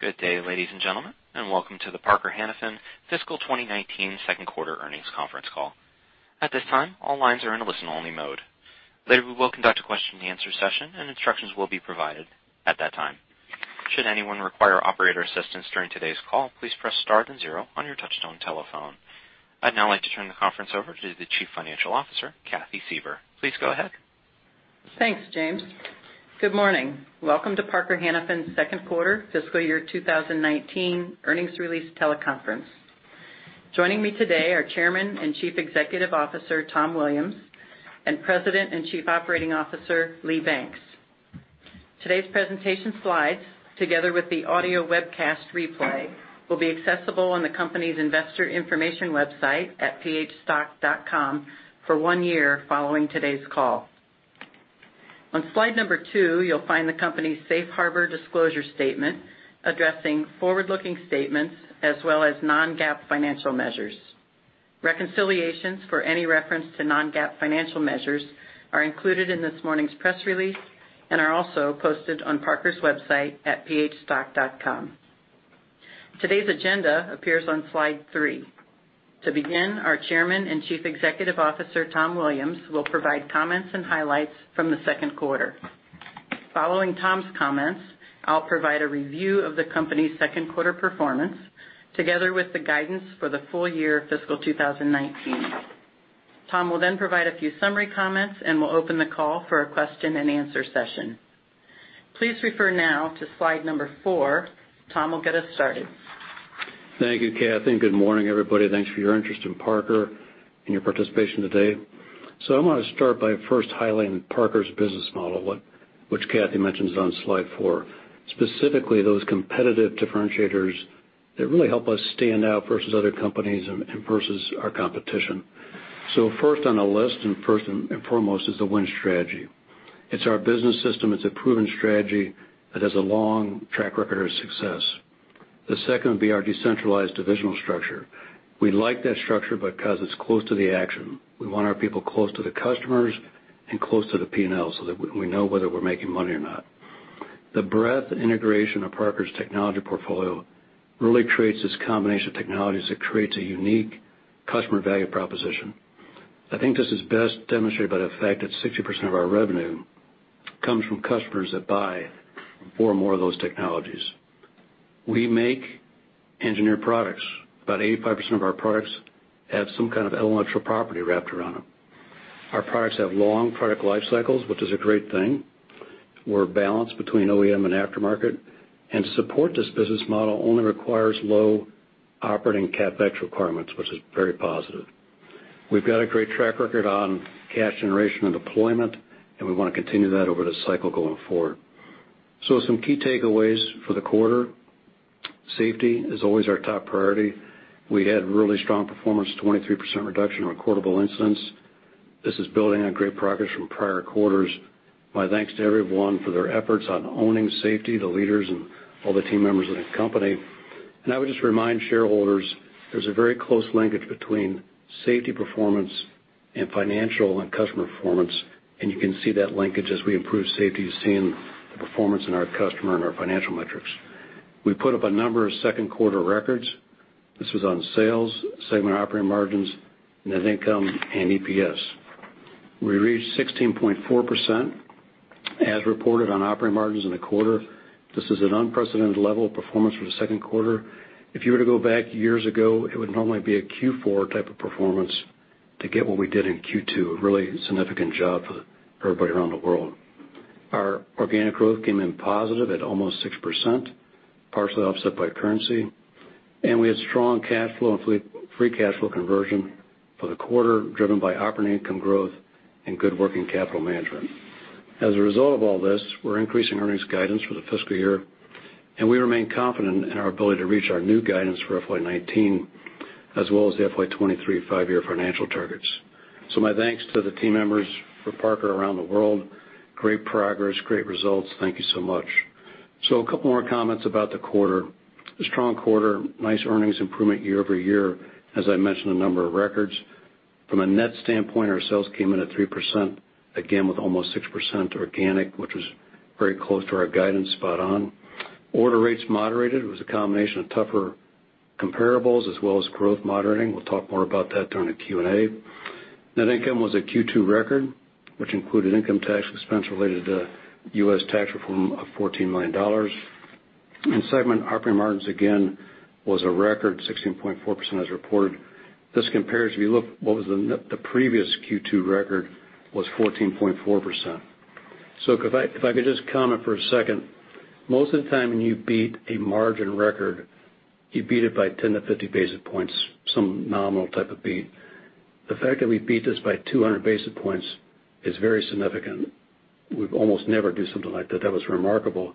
Good day, ladies and gentlemen, and welcome to the Parker Hannifin Fiscal 2019 Second Quarter Earnings Conference Call. At this time, all lines are in a listen-only mode. Later, we will conduct a question and answer session and instructions will be provided at that time. Should anyone require operator assistance during today's call, please press star and zero on your touchtone telephone. I'd now like to turn the conference over to the Chief Financial Officer, Cathy Suever. Please go ahead. Thanks, James. Good morning. Welcome to Parker-Hannifin's Second Quarter Fiscal Year 2019 Earnings Release Teleconference. Joining me today are Chairman and Chief Executive Officer, Tom Williams, and President and Chief Operating Officer, Lee Banks. Today's presentation slides, together with the audio webcast replay, will be accessible on the company's investor information website at phstock.com for one year following today's call. On slide number two, you'll find the company's safe harbor disclosure statement addressing forward-looking statements as well as non-GAAP financial measures. Reconciliations for any reference to non-GAAP financial measures are included in this morning's press release and are also posted on Parker's website at phstock.com. Today's agenda appears on slide three. To begin, our Chairman and Chief Executive Officer, Tom Williams, will provide comments and highlights from the second quarter. Following Tom's comments, I'll provide a review of the company's second quarter performance, together with the guidance for the full year fiscal 2019. Tom will then provide a few summary comments. We'll open the call for a question and answer session. Please refer now to slide number four. Tom will get us started. Thank you, Cathy. Good morning, everybody. Thanks for your interest in Parker and your participation today. I want to start by first highlighting Parker's business model, which Cathy mentions on slide four, specifically those competitive differentiators that really help us stand out versus other companies and versus our competition. First on the list, and first and foremost, is the Win Strategy. It's our business system. It's a proven strategy that has a long track record of success. The second would be our decentralized divisional structure. We like that structure because it's close to the action. We want our people close to the customers and close to the P&L so that we know whether we're making money or not. The breadth and integration of Parker's technology portfolio really creates this combination of technologies that creates a unique customer value proposition. I think this is best demonstrated by the fact that 60% of our revenue comes from customers that buy four or more of those technologies. We make engineered products. About 85% of our products have some kind of intellectual property wrapped around them. Our products have long product life cycles, which is a great thing. We're balanced between OEM and aftermarket, and support- this business model only requires low operating CapEx requirements, which is very positive. We've got a great track record on cash generation and deployment. We want to continue that over the cycle going forward. Some key takeaways for the quarter. Safety is always our top priority. We had really strong performance, 23% reduction in recordable incidents. This is building on great progress from prior quarters. My thanks to everyone for their efforts on owning safety, the leaders and all the team members of the company. I would just remind shareholders, there's a very close linkage between safety performance and financial and customer performance, and you can see that linkage as we improve safety, seeing the performance in our customer and our financial metrics. We put up a number of second quarter records. This was on sales, segment operating margins, net income, and EPS. We reached 16.4% as reported on operating margins in the quarter. This is an unprecedented level of performance for the second quarter. If you were to go back years ago, it would normally be a Q4 type of performance to get what we did in Q2, a really significant job for everybody around the world. Our organic growth came in positive at almost 6%, partially offset by currency. We had strong cash flow and free cash flow conversion for the quarter, driven by operating income growth and good working capital management. As a result of all this, we're increasing earnings guidance for the fiscal year. We remain confident in our ability to reach our new guidance for FY 2019 as well as the FY 2023 five-year financial targets. My thanks to the team members for Parker around the world. Great progress, great results. Thank you so much. A couple more comments about the quarter. A strong quarter, nice earnings improvement year-over-year. As I mentioned, a number of records. From a net standpoint, our sales came in at 3%, again with almost 6% organic, which was very close to our guidance, spot on. Order rates moderated- it was a combination of tougher comparables as well as growth moderating. We'll talk more about that during the Q&A. Net income was a Q2 record, which included income tax expense related to U.S. tax reform of $14 million. Segment operating margins, again, was a record 16.4% as reported. This compares, if you look, what was the previous Q2 record was 14.4%. If I could just comment for a second- most of the time when you beat a margin record, you beat it by 10 to 50 basis points, some nominal type of beat. The fact that we beat this by 200 basis points is very significant. We almost never do something like that. That was remarkable.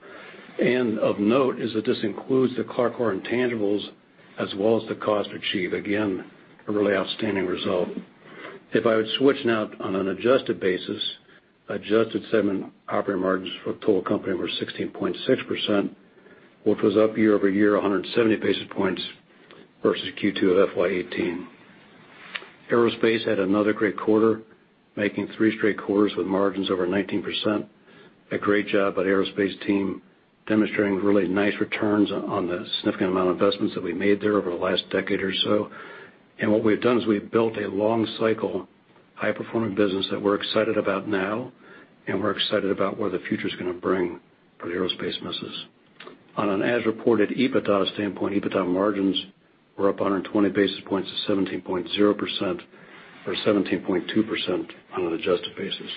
Of note, is that this includes the CLARCOR intangibles as well as the cost to achieve. Again, a really outstanding result. If I would switch now on an adjusted basis, adjusted segment operating margins for the total company were 16.6%, which was up year-over-year 170 basis points versus Q2 of FY 2018. Aerospace had another great quarter, making three straight quarters with margins over 19%. A great job by the Aerospace team, demonstrating really nice returns on the significant amount of investments that we made there over the last decade or so. What we've done is we've built a long cycle, high-performing business that we're excited about now, and we're excited about what the future's going to bring for the Aerospace business. On an as-reported EBITDA standpoint, EBITDA margins were up 120 basis points to 17.0%, or 17.2% on an adjusted basis.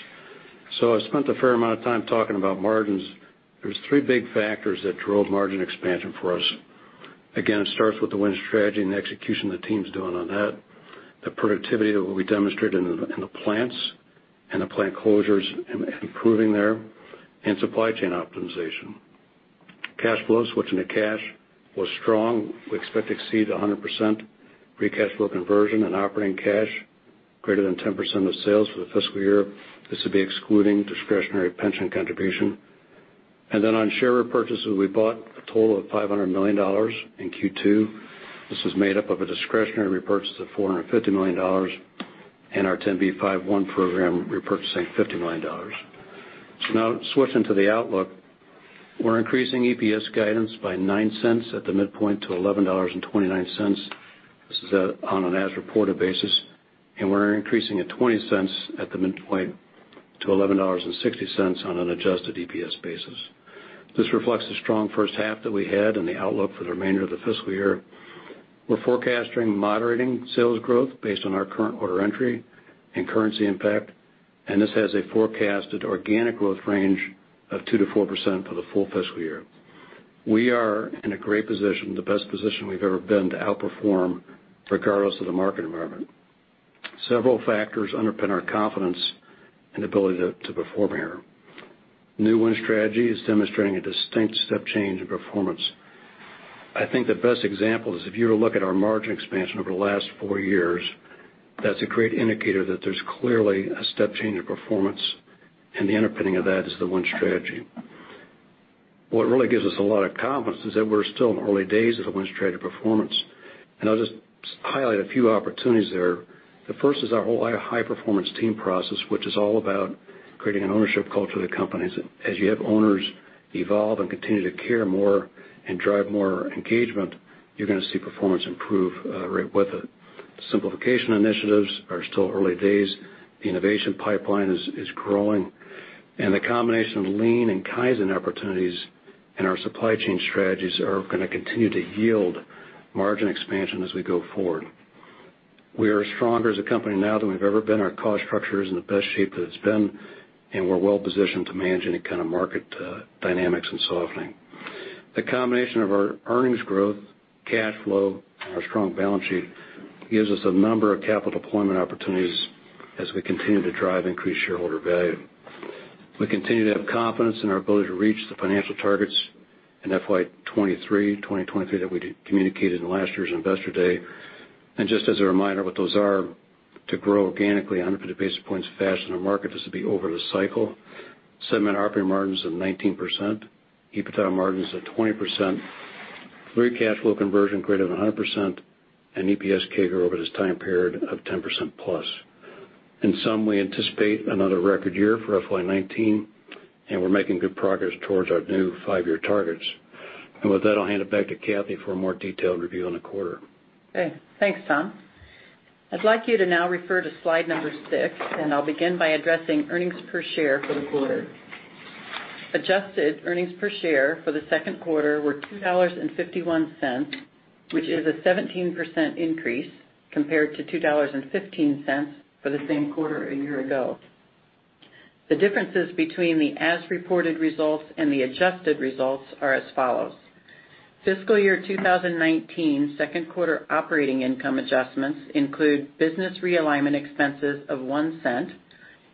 I spent a fair amount of time talking about margins. There's three big factors that drove margin expansion for us. It starts with the Win Strategy and the execution the team's doing on that, the productivity that we demonstrated in the plants, and the plant closures improving there, and supply chain optimization. Cash flow- switching to cash, was strong. We expect to exceed 100% free cash flow conversion and operating cash greater than 10% of sales for the fiscal year. This will be excluding discretionary pension contribution. On share repurchases, we bought a total of $500 million in Q2. This is made up of a discretionary repurchase of $450 million, and our 10b5-1 program repurchasing $50 million. Now switching to the outlook. We're increasing EPS guidance by $0.09 at the midpoint to $11.29. This is on an as-reported basis, and we're increasing at $0.20 at the midpoint to $11.60 on an adjusted EPS basis. This reflects the strong first half that we had and the outlook for the remainder of the fiscal year. We're forecasting moderating sales growth based on our current order entry and currency impact, and this has a forecasted organic growth range of 2%-4% for the full fiscal year. We are in a great position, the best position we've ever been, to outperform regardless of the market environment. Several factors underpin our confidence and ability to perform here. New Win Strategy is demonstrating a distinct step change in performance. I think the best example is if you were to look at our margin expansion over the last four years, that's a great indicator that there's clearly a step change in performance, and the underpinning of that is the Win Strategy. What really gives us a lot of confidence is that we're still in the early days of the Win Strategy performance, and I'll just highlight a few opportunities there. The first is our whole high-performance team process, which is all about creating an ownership culture of the companies. As you have owners evolve and continue to care more and drive more engagement, you're going to see performance improve right with it. Simplification initiatives are still early days. The innovation pipeline is growing. The combination of Lean and Kaizen opportunities and our supply chain strategies are going to continue to yield margin expansion as we go forward. We are stronger as a company now than we've ever been. Our cost structure is in the best shape that it's been, and we're well positioned to manage any kind of market dynamics and softening. The combination of our earnings growth, cash flow, and our strong balance sheet gives us a number of capital deployment opportunities as we continue to drive increased shareholder value. We continue to have confidence in our ability to reach the financial targets in FY 2023 that we communicated in last year's Investor Day. Just as a reminder what those are, to grow organically 150 basis points faster than market, this will be over the cycle. Segment operating margins of 19%, EBITDA margins of 20%, free cash flow conversion greater than 100%, and EPS CAGR over this time period of 10% plus. In sum, we anticipate another record year for FY 2019, we're making good progress towards our new five-year targets. With that, I'll hand it back to Cathy for a more detailed review on the quarter. Okay. Thanks, Tom. I'd like you to now refer to slide number six, I'll begin by addressing earnings per share for the quarter. Adjusted earnings per share for the second quarter were $2.51, which is a 17% increase compared to $2.15 for the same quarter a year ago. The differences between the as-reported results and the adjusted results are as follows. Fiscal year 2019 second quarter operating income adjustments include business realignment expenses of $0.01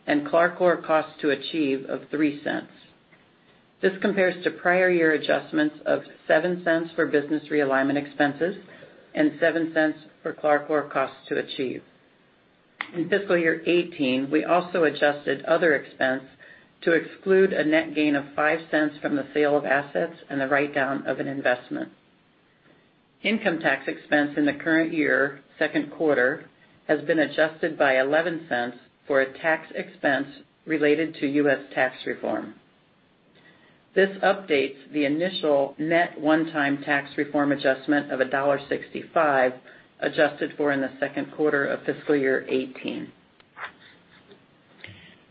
and CLARCOR costs to achieve of $0.03. This compares to prior year adjustments of $0.07 for business realignment expenses and $0.07 for CLARCOR costs to achieve. In fiscal year 2018, we also adjusted other expense to exclude a net gain of $0.05 from the sale of assets and the write-down of an investment. Income tax expense in the current year, second quarter, has been adjusted by $0.11 for a tax expense related to U.S. tax reform. This updates the initial net one-time tax reform adjustment of $1.65, adjusted for in the second quarter of fiscal year 2018.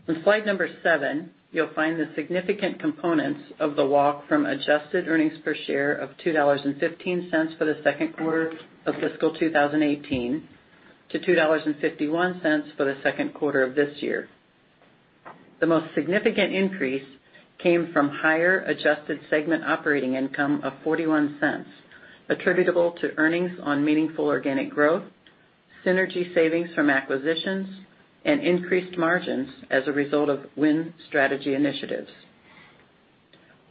On slide number seven, you'll find the significant components of the walk from adjusted earnings per share of $2.15 for the second quarter of fiscal 2018 to $2.51 for the second quarter of this year. The most significant increase came from higher adjusted segment operating income of $0.41, attributable to earnings on meaningful organic growth, synergy savings from acquisitions, increased margins as a result of Win Strategy initiatives.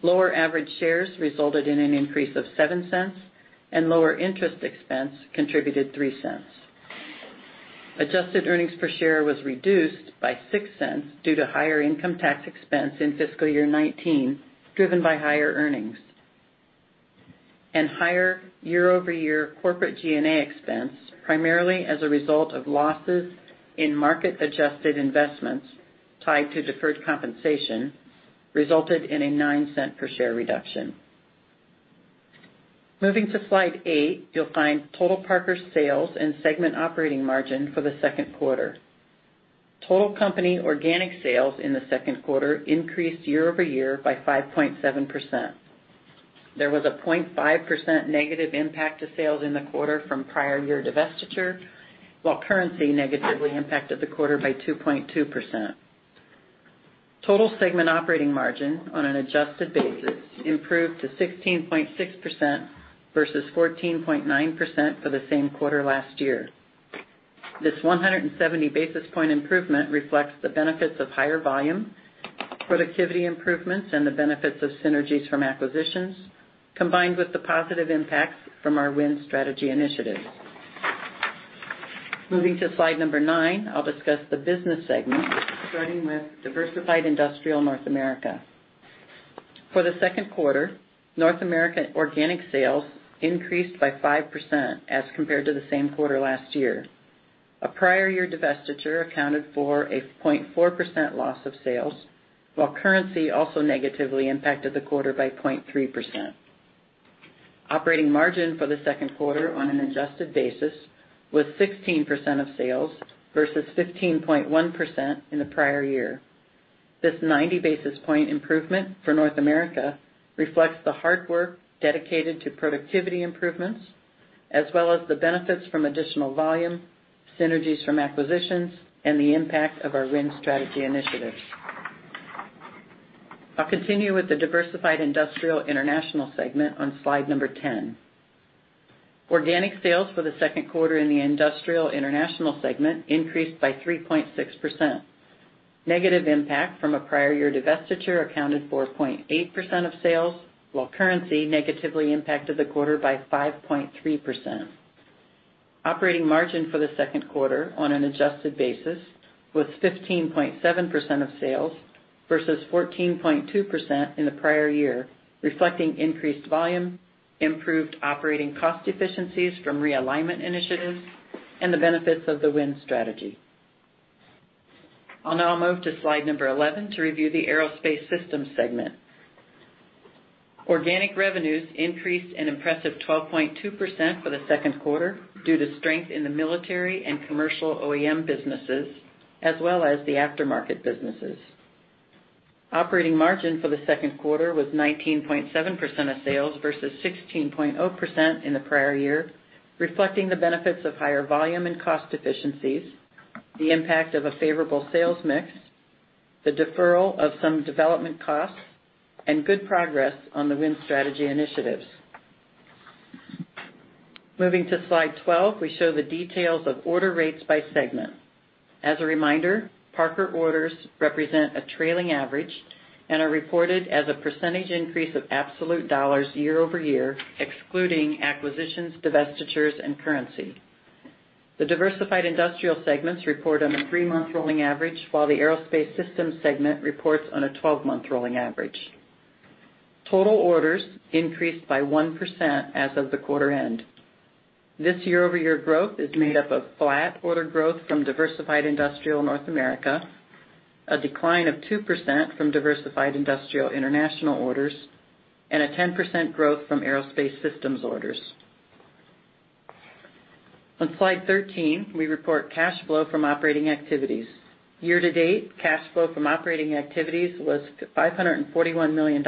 Lower average shares resulted in an increase of $0.07, lower interest expense contributed $0.03. Adjusted earnings per share was reduced by $0.06 due to higher income tax expense in fiscal year 2019, driven by higher earnings. Higher year-over-year corporate G&A expense, primarily as a result of losses in market-adjusted investments tied to deferred compensation, resulted in a $0.09 per share reduction. Moving to slide eight, you'll find total Parker sales and segment operating margin for the second quarter. Total company organic sales in the second quarter increased year-over-year by 5.7%. There was a 0.5% negative impact to sales in the quarter from prior year divestiture, while currency negatively impacted the quarter by 2.2%. Total segment operating margin on an adjusted basis improved to 16.6% versus 14.9% for the same quarter last year. This 170 basis point improvement reflects the benefits of higher volume, productivity improvements, and the benefits of synergies from acquisitions, combined with the positive impacts from our Win Strategy initiatives. Moving to slide number nine, I will discuss the business segment, starting with Diversified Industrial North America. For the second quarter, North American organic sales increased by 5% as compared to the same quarter last year. A prior year divestiture accounted for a 0.4% loss of sales, while currency also negatively impacted the quarter by 0.3%. Operating margin for the second quarter on an adjusted basis was 16% of sales versus 15.1% in the prior year. This 90 basis point improvement for North America reflects the hard work dedicated to productivity improvements, as well as the benefits from additional volume, synergies from acquisitions, and the impact of our Win Strategy initiatives. I will continue with the Diversified Industrial International segment on slide 10. Organic sales for the second quarter in the Industrial International segment increased by 3.6%. Negative impact from a prior year divestiture accounted for 0.8% of sales, while currency negatively impacted the quarter by 5.3%. Operating margin for the second quarter on an adjusted basis was 15.7% of sales versus 14.2% in the prior year, reflecting increased volume, improved operating cost efficiencies from realignment initiatives, and the benefits of the Win Strategy. I will now move to slide 11 to review the Aerospace systems segment. Organic revenues increased an impressive 12.2% for the second quarter due to strength in the military and commercial OEM businesses, as well as the aftermarket businesses. Operating margin for the second quarter was 19.7% of sales versus 16.0% in the prior year, reflecting the benefits of higher volume and cost efficiencies, the impact of a favorable sales mix, the deferral of some development costs, and good progress on the Win Strategy initiatives. Moving to slide 12, we show the details of order rates by segment. As a reminder, Parker orders represent a trailing average and are reported as a percentage increase of absolute dollars year-over-year, excluding acquisitions, divestitures, and currency. The Diversified Industrial segments report on a three-month rolling average, while the Aerospace systems segment reports on a 12-month rolling average. Total orders increased by 1% as of the quarter end. This year-over-year growth is made up of flat order growth from Diversified Industrial North America, a decline of 2% from Diversified Industrial International orders, and a 10% growth from Aerospace systems orders. On slide 13, we report cash flow from operating activities. Year to date, cash flow from operating activities was $541 million.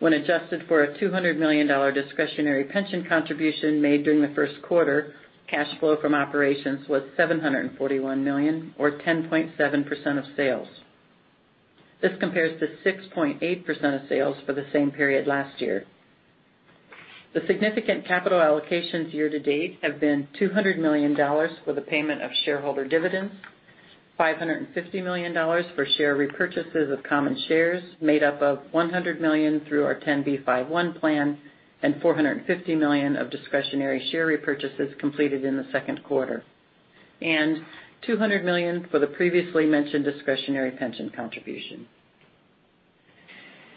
When adjusted for a $200 million discretionary pension contribution made during the first quarter, cash flow from operations was $741 million or 10.7% of sales. This compares to 6.8% of sales for the same period last year. The significant capital allocations year-to-date have been $200 million for the payment of shareholder dividends, $550 million for share repurchases of common shares, made up of $100 million through our 10b5-1 plan and $450 million of discretionary share repurchases completed in the second quarter, and $200 million for the previously mentioned discretionary pension contribution.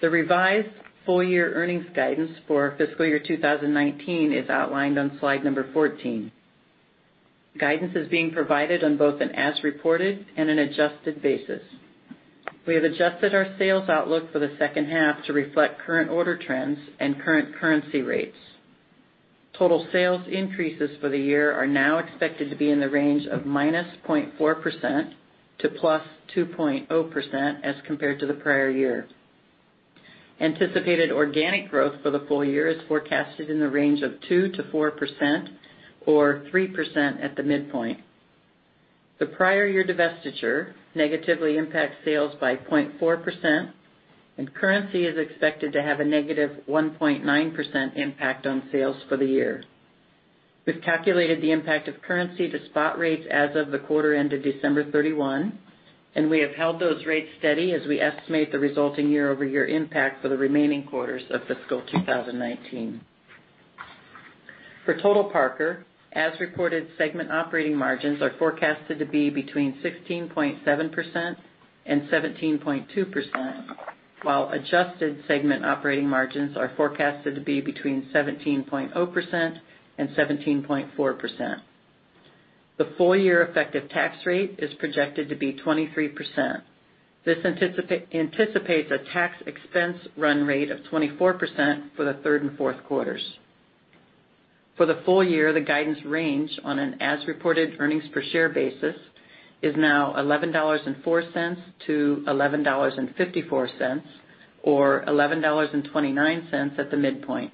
The revised full-year earnings guidance for fiscal year 2019 is outlined on slide 14. Guidance is being provided on both an as reported and an adjusted basis. We have adjusted our sales outlook for the second half to reflect current order trends and current currency rates. Total sales increases for the year are now expected to be in the range of -0.4% to +2.0% as compared to the prior year. Anticipated organic growth for the full year is forecasted in the range of 2%-4%, or 3% at the midpoint. The prior year divestiture negatively impacts sales by 0.4%, and currency is expected to have a -1.9% impact on sales for the year. We've calculated the impact of currency to spot rates as of the quarter end of December 31, and we have held those rates steady as we estimate the resulting year-over-year impact for the remaining quarters of fiscal 2019. For total Parker, as reported segment operating margins are forecasted to be between 16.7%-17.2%, while adjusted segment operating margins are forecasted to be between 17.0%-17.4%. The full-year effective tax rate is projected to be 23%. This anticipates a tax expense run rate of 24% for the third and fourth quarters. For the full year, the guidance range on an as-reported earnings per share basis is now $11.04-$11.54, or $11.29 at the midpoint.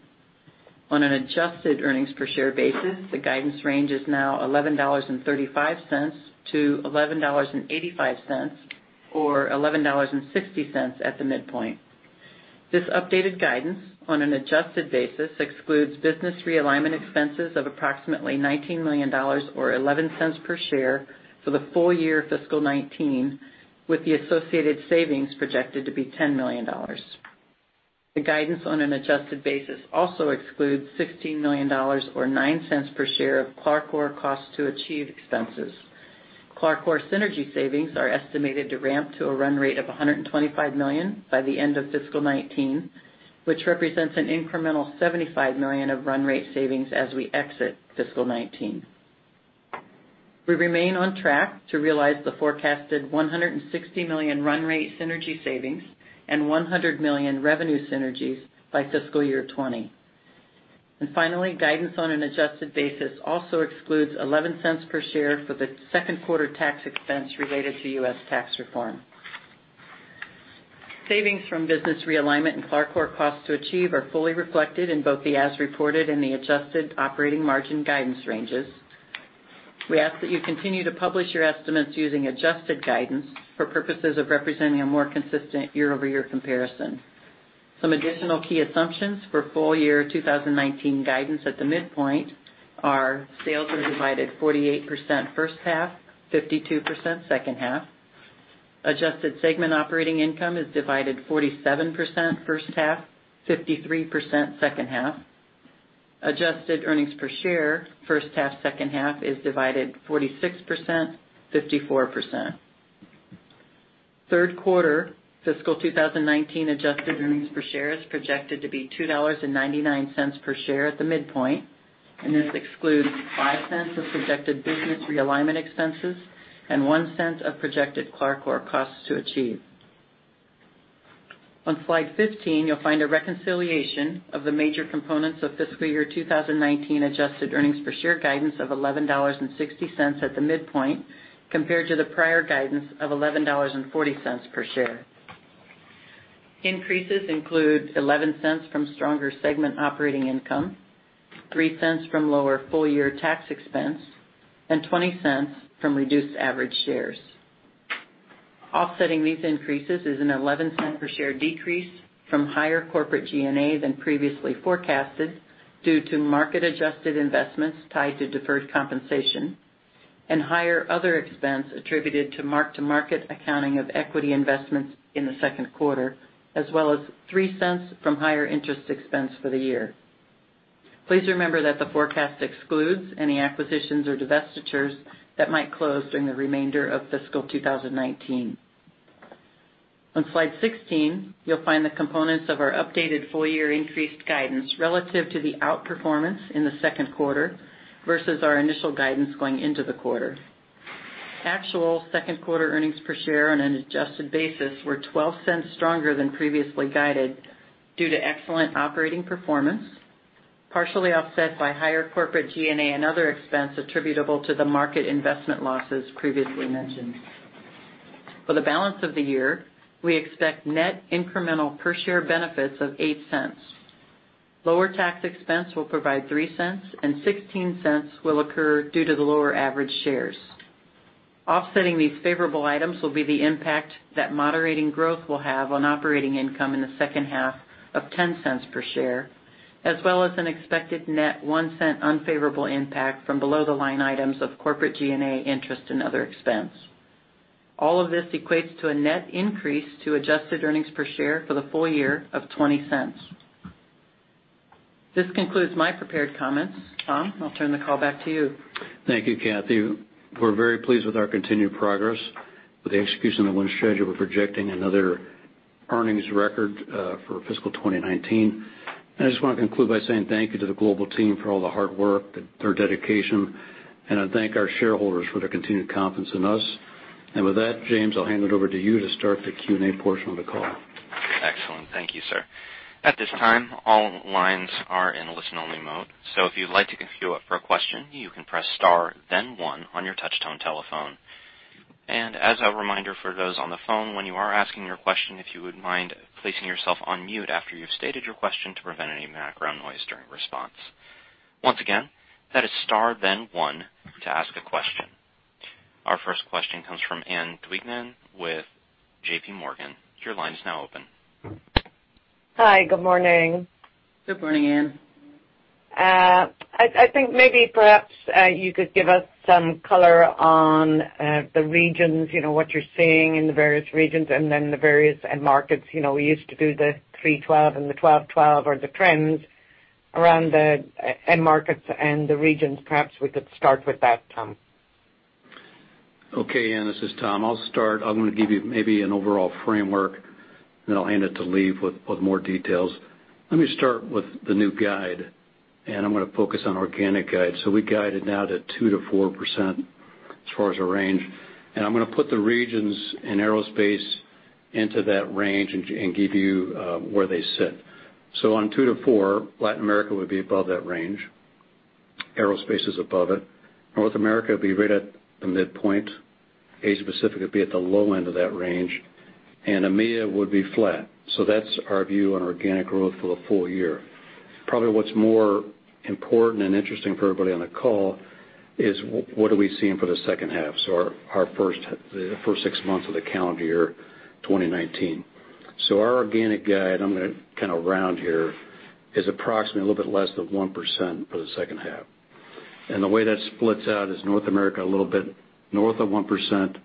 On an adjusted earnings per share basis, the guidance range is now $11.35-$11.85, or $11.60 at the midpoint. This updated guidance on an adjusted basis excludes business realignment expenses of approximately $19 million, or $0.11 per share, for the full year FY 2019, with the associated savings projected to be $10 million. The guidance on an adjusted basis also excludes $16 million, or $0.09 per share, of CLARCOR cost to achieve expenses. CLARCOR synergy savings are estimated to ramp to a run rate of $125 million by the end of FY 2019, which represents an incremental $75 million of run rate savings as we exit FY 2019. We remain on track to realize the forecasted $160 million run rate synergy savings and $100 million revenue synergies by FY 2020. Finally, guidance on an adjusted basis also excludes $0.11 per share for the second quarter tax expense related to U.S. tax reform. Savings from business realignment and CLARCOR cost to achieve are fully reflected in both the as reported and the adjusted operating margin guidance ranges. We ask that you continue to publish your estimates using adjusted guidance for purposes of representing a more consistent year-over-year comparison. Some additional key assumptions for full year 2019 guidance at the midpoint are: sales are divided 48% first half, 52% second half. Adjusted segment operating income is divided 47% first half, 53% second half. Adjusted earnings per share first half, second half is divided 46%, 54%. Third quarter fiscal 2019 adjusted earnings per share is projected to be $2.99 per share at the midpoint, and this excludes $0.05 of projected business realignment expenses and $0.01 of projected CLARCOR costs to achieve. On slide 15, you'll find a reconciliation of the major components of fiscal year 2019 adjusted earnings per share guidance of $11.60 at the midpoint compared to the prior guidance of $11.40 per share. Increases include $0.11 from stronger segment operating income, $0.03 from lower full-year tax expense, and $0.20 from reduced average shares. Offsetting these increases is an $0.11 per share decrease from higher corporate G&A than previously forecasted due to market-adjusted investments tied to deferred compensation and higher other expense attributed to mark-to-market accounting of equity investments in the second quarter, as well as $0.03 from higher interest expense for the year. Please remember that the forecast excludes any acquisitions or divestitures that might close during the remainder of fiscal 2019. On slide 16, you'll find the components of our updated full-year increased guidance relative to the outperformance in the second quarter versus our initial guidance going into the quarter. Actual second quarter earnings per share on an adjusted basis were $0.12 stronger than previously guided due to excellent operating performance- partially offset by higher corporate G&A and other expense attributable to the market investment losses previously mentioned. For the balance of the year, we expect net incremental per share benefits of $0.08. Lower tax expense will provide $0.03, and $0.16 will occur due to the lower average shares. Offsetting these favorable items will be the impact that moderating growth will have on operating income in the second half of $0.10 per share, as well as an expected net $0.01 unfavorable impact from below-the-line items of corporate G&A interest and other expense. All of this equates to a net increase to adjusted earnings per share for the full year of $0.20. This concludes my prepared comments. Tom, I'll turn the call back to you. Thank you, Cathy. We're very pleased with our continued progress. With the execution of the Win Strategy, we're projecting another earnings record for fiscal 2019. I just want to conclude by saying thank you to the global team for all the hard work, their dedication, and I thank our shareholders for their continued confidence in us. With that, James, I'll hand it over to you to start the Q&A portion of the call. Excellent. Thank you, sir. At this time, all lines are in listen-only mode. If you'd like to queue up for a question, you can press star then one on your touch-tone telephone. As a reminder for those on the phone, when you are asking your question, if you would mind placing yourself on mute after you've stated your question to prevent any background noise during response. Once again, that is star then one to ask a question. Our first question comes from Ann Duignan with JPMorgan. Your line is now open. Hi, good morning. Good morning, Ann. I think maybe- perhaps you could give us some color on the regions, what you're seeing in the various regions and then the various end markets. We used to do the 312 and the 1212 or the trends around the end markets and the regions. Perhaps we could start with that, Tom. Okay, Ann, this is Tom. I'll start. I'm going to give you maybe an overall framework, then I'll hand it to Lee with more details. Let me start with the new guide. I'm going to focus on organic guide. We guided now to 2%-4% as far as a range. I'm going to put the regions and Aerospace into that range and give you where they sit. On 2%-4%, Latin America would be above that range. Aerospace is above it. North America would be right at the midpoint. Asia Pacific would be at the low end of that range, and EMEA would be flat. That's our view on organic growth for the full year. Probably what's more important and interesting for everybody on the call is what are we seeing for the second half- so the first six months of the calendar year 2019. Our organic guide, I'm going to kind of round here, is approximately a little bit less than 1% for the second half. The way that splits out is North America, a little bit north of 1%,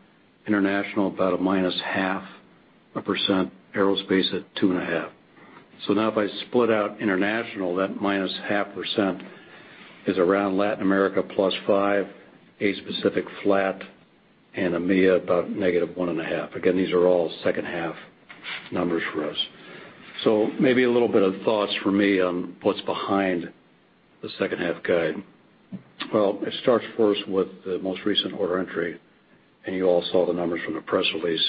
international, about a -0.5%, Aerospace at 2.5%. Now if I split out international, that -0.5% is around Latin America +5%, Asia Pacific flat, and EMEA about -1.5%. Again, these are all second-half numbers for us. Maybe a little bit of thoughts from me on what's behind the second half guide. It starts first with the most recent order entry, and you all saw the numbers from the press release.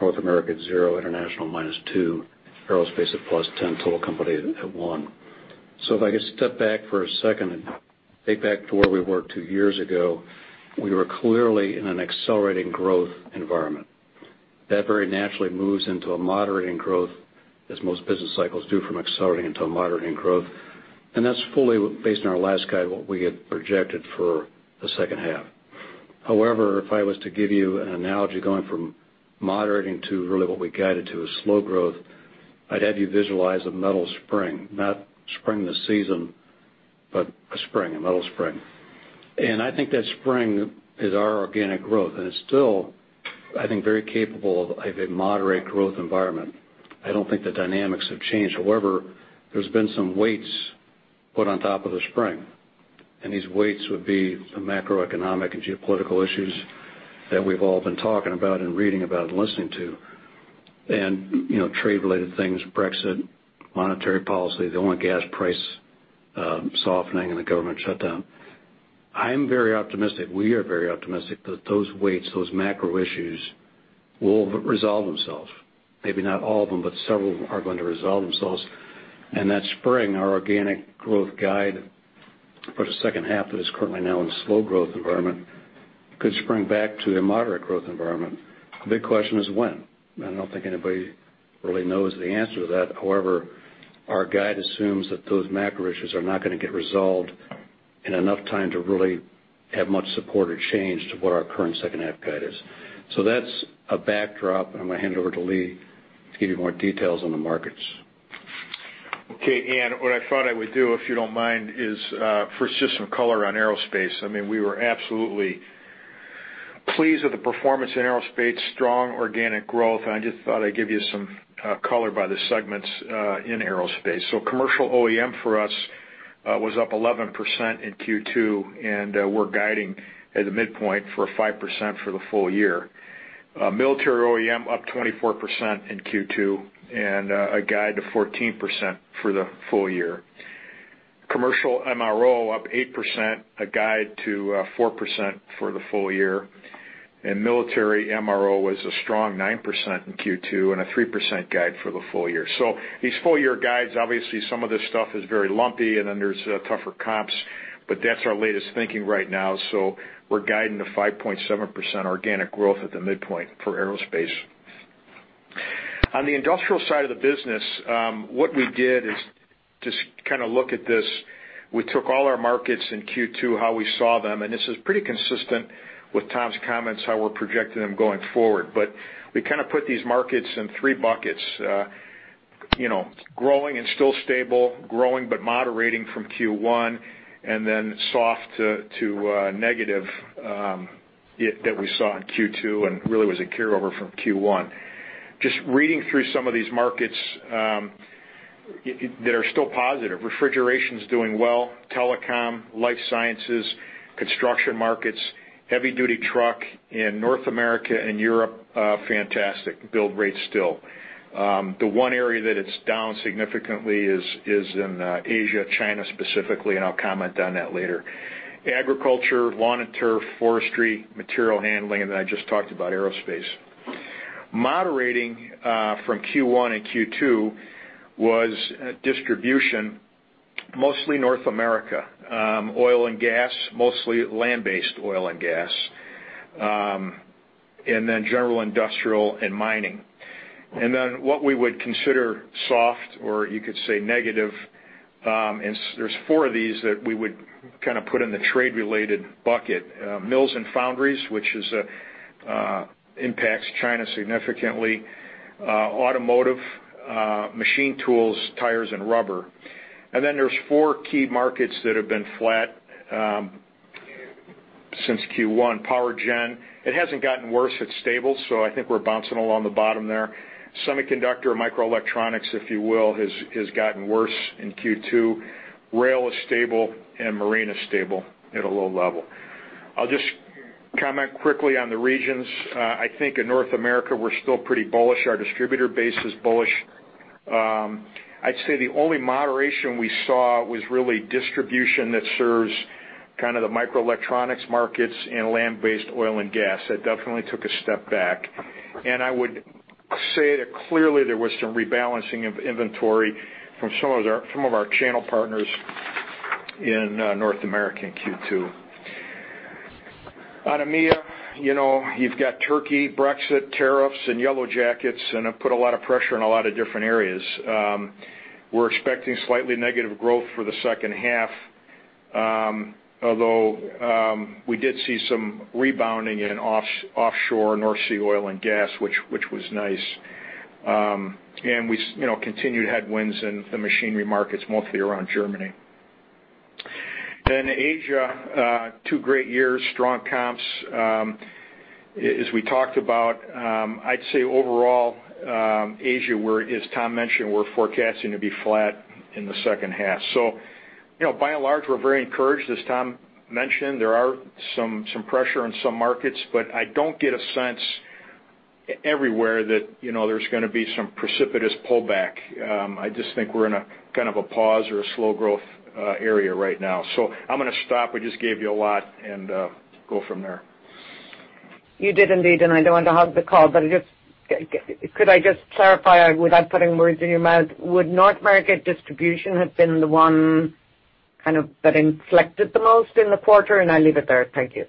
North America at 0%, international -2%, Aerospace at +10%, total company at 1%. If I could step back for a second and think back to where we were two years ago, we were clearly in an accelerating growth environment. That very naturally moves into a moderating growth, as most business cycles do, from accelerating into a moderating growth. That's fully based on our last guide, what we had projected for the second half. However, if I was to give you an analogy going from moderating to really what we guided to as slow growth, I'd have you visualize a metal spring. Not spring the season, but a spring, a metal spring. I think that spring is our organic growth, and it's still, I think, very capable of a moderate growth environment. I don't think the dynamics have changed. However, there's been some weights put on top of the spring, and these weights would be the macroeconomic and geopolitical issues that we've all been talking about and reading about and listening to- trade-related things, Brexit, monetary policy, the Oil and Gas price softening, and the government shutdown. I am very optimistic- we are very optimistic, that those weights, those macro issues, will resolve themselves. Maybe not all of them, but several are going to resolve themselves. That spring, our organic growth guide for the second half that is currently now in slow growth environment, could spring back to a moderate growth environment. The big question is when. I don't think anybody really knows the answer to that. However, our guide assumes that those macro issues are not going to get resolved in enough time to really have much support or change to what our current second half guide is. That's a backdrop, and I'm going to hand it over to Lee to give you more details on the markets. Okay, Ann, what I thought I would do, if you don't mind, is first just some color on Aerospace. We were absolutely pleased with the performance in Aerospace, strong organic growth. I just thought I'd give you some color by the segments, in Aerospace. Commercial OEM for us was up 11% in Q2. We're guiding at the midpoint for 5% for the full year. Military OEM up 24% in Q2. A guide to 14% for the full year. Commercial MRO up 8%, a guide to 4% for the full year. Military MRO was a strong 9% in Q2 and a 3% guide for the full year. These full-year guides, obviously, some of this stuff is very lumpy. There's tougher comps. That's our latest thinking right now. We're guiding to 5.7% organic growth at the midpoint for Aerospace. On the industrial side of the business, what we did is just kind of look at this. We took all our markets in Q2, how we saw them. This is pretty consistent with Tom's comments, how we're projecting them going forward. We kind of put these markets in three buckets. Growing and still stable, growing but moderating from Q1, soft to negative that we saw in Q2 really was a carryover from Q1. Just reading through some of these markets that are still positive. Refrigeration's doing well, telecom, life sciences, construction markets, heavy-duty truck in North America and Europe, fantastic. Build rates still. The one area that it's down significantly is in Asia, China specifically. I'll comment on that later. Agriculture, lawn and turf, forestry, material handling, and I just talked about Aerospace. Moderating from Q1 and Q2 was distribution, mostly North America. Oil and gas, mostly land-based Oil and Gas, general industrial and mining. What we would consider soft, or you could say negative, there's four of these that we would kind of put in the trade-related bucket. Mills and foundries, which impacts China significantly, automotive, machine tools, tires and rubber. There's four key markets that have been flat since Q1. Power gen, it hasn't gotten worse. It's stable. I think we're bouncing along the bottom there. Semiconductor microelectronics, if you will, has gotten worse in Q2. Rail is stable. Marine is stable at a low level. I'll just comment quickly on the regions. I think in North America, we're still pretty bullish. Our distributor base is bullish. I'd say the only moderation we saw was really distribution that serves kind of the microelectronics markets and land-based Oil and Gas. That definitely took a step back. I would say that clearly there was some rebalancing of inventory from some of our channel partners in North America in Q2. On EMEA, you've got Turkey, Brexit, tariffs, Yellow Vests, have put a lot of pressure in a lot of different areas. We're expecting slightly negative growth for the second half, although we did see some rebounding in offshore North Sea Oil and Gas, which was nice. We continued headwinds in the machinery markets, mostly around Germany. Asia, two great years, strong comps, as we talked about. I'd say overall, Asia, as Tom mentioned, we're forecasting to be flat in the second half. By and large, we're very encouraged. As Tom mentioned, there are some pressure in some markets. I don't get a sense everywhere that there's going to be some precipitous pullback. I just think we're in kind of a pause or a slow growth area right now. I'm going to stop, I just gave you a lot, and go from there. You did indeed, I don't want to hog the call, but could I just clarify without putting words in your mouth, would North market distribution have been the one kind of that inflected the most in the quarter? I leave it there. Thank you.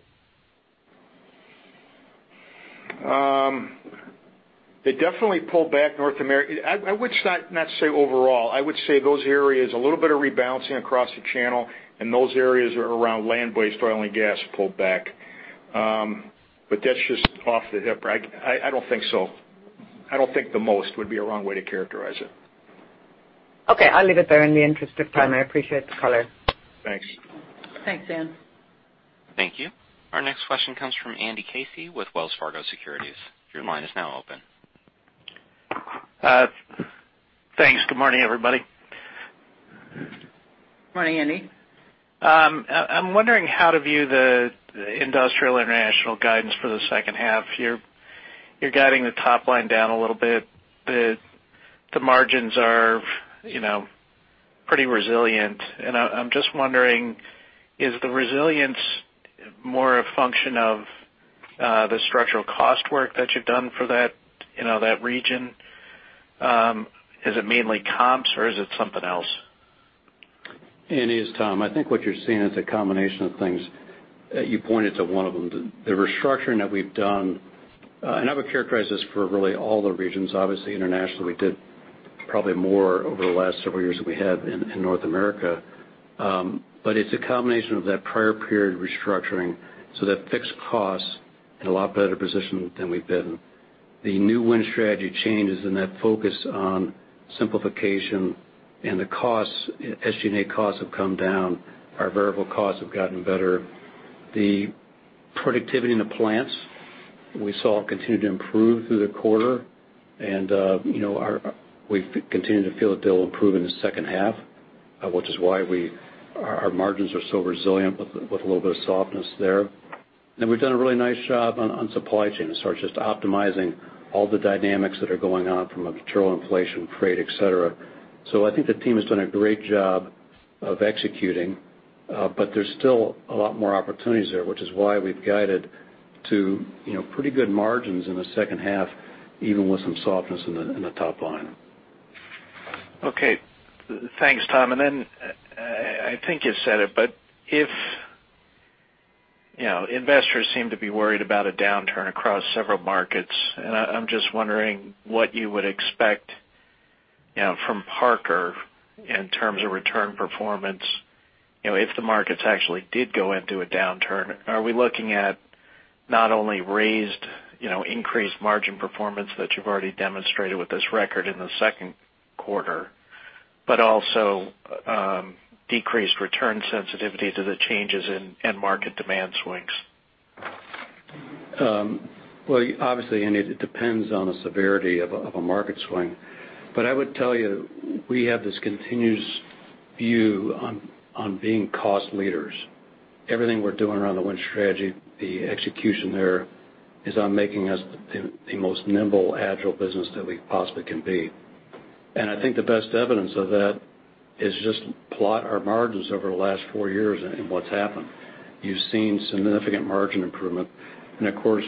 They definitely pulled back North America. I would not say overall. I would say those areas, a little bit of rebalancing across the channel, those areas are around land-based Oil and Gas pulled back- but that's just off the hip. I don't think so. I don't think the most would be a wrong way to characterize it. Okay, I'll leave it there in the interest of time. I appreciate the color. Thanks. Thanks, Ann. Thank you. Our next question comes from Andy Casey with Wells Fargo Securities. Your line is now open. Thanks. Good morning, everybody. Morning, Andy. I'm wondering how to view the Industrial International guidance for the second half. You're guiding the top line down a little bit. The margins are pretty resilient. I'm just wondering, is the resilience more a function of the structural cost work that you've done for that region? Is it mainly comps or is it something else? Andy, it's Tom. I think what you're seeing is a combination of things. You pointed to one of them, the restructuring that we've done. I would characterize this for really all the regions. Obviously, internationally, we did probably more over the last several years than we have in North America. It's a combination of that prior period restructuring, so that fixed costs in a lot better position than we've been. The new Win Strategy changes and that focus on simplification and the costs, SG&A costs have come down. Our variable costs have gotten better. The productivity in the plants we saw continue to improve through the quarter. We've continued to feel that they'll improve in the second half, which is why our margins are so resilient with a little bit of softness there. We've done a really nice job on supply chain. It's just optimizing all the dynamics that are going on from a material inflation, freight, et cetera. I think the team has done a great job of executing, but there's still a lot more opportunities there, which is why we've guided to pretty good margins in the second half, even with some softness in the top line. Okay. Thanks, Tom. I think you said it. If investors seem to be worried about a downturn across several markets, I'm just wondering what you would expect from Parker in terms of return performance, if the markets actually did go into a downturn. Are we looking at not only raised increased margin performance that you've already demonstrated with this record in the second quarter, but also decreased return sensitivity to the changes in end market demand swings? Well, obviously, Andy, it depends on the severity of a market swing. I would tell you, we have this continuous view on being cost leaders. Everything we're doing around the Win Strategy, the execution there is on making us the most nimble, agile business that we possibly can be. I think the best evidence of that is just plot our margins over the last four years and what's happened. You've seen significant margin improvement. Of course,